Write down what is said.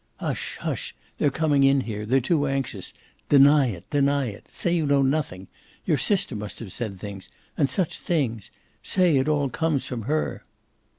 "Hush hush they're coming in here, they're too anxious! Deny deny it say you know nothing! Your sister must have said things and such things: say it all comes from HER!"